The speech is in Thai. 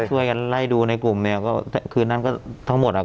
ช่วยกันไล่ดูในกลุ่มเนี่ยก็คืนนั้นก็ทั้งหมดอ่ะ